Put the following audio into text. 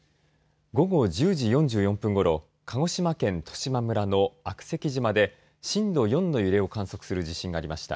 午後１０時４４分ごろ鹿児島県十島村の悪石島で震度４の揺れを観測する地震がありました。